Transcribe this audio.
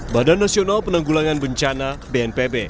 badan nasional penanggulangan bencana bnpb